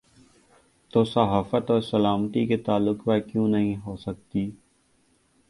تو صحافت اور سلامتی کے تعلق پر کیوں نہیں ہو سکتی؟